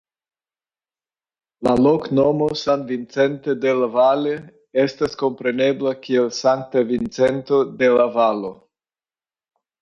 La loknomo "San Vicente del Valle" estas komprenbebla kiel "Sankta Vincento de la Valo".